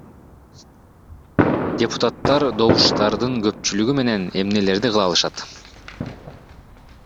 Депутаттар добуштардын көпчүлүгү менен эмнелерди кыла алышат?